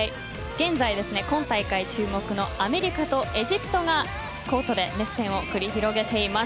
現在、今大会注目のアメリカとエジプトがコートで熱戦を繰り広げています。